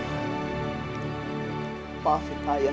ayah tidak pengen menunggang ayah